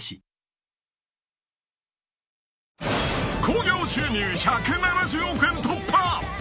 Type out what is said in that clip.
［興行収入１７０億円突破！］